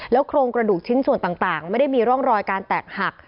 โครงกระดูกชิ้นส่วนต่างไม่ได้มีร่องรอยการแตกหัก